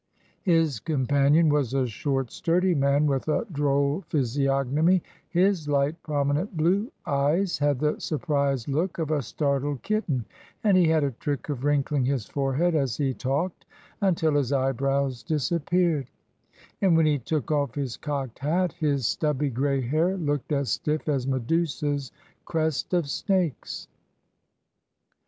His companion was a short, sturdy man, with a droll physiognomy; his light, prominent blue eyes had the surprised look of a startled kitten, and he had a trick of wrinkling his forehead as he talked until his eyebrows disappeared; and when he took off his cocked hat his stubby grey hair looked as stiff as Medusa's crest of snakes.